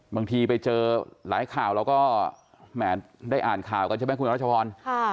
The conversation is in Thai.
บางทีไปเจอหลายข่าวเราก็แหมได้อ่านข่าวกันใช่ไหมคุณรัชพร